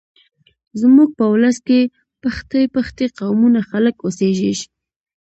زموږ په ولس کې پښتۍ پښتۍ قومونه خلک اوسېږيږ